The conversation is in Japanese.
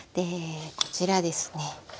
こちらですね。